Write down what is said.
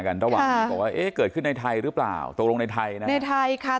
กันตะวังเกิดขึ้นในไทยหรือเปล่าตกลงในไทยในไทยค่ะ